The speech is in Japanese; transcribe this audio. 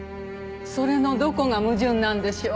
それのどこが矛盾なんでしょう？